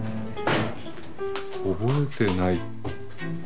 覚えてない？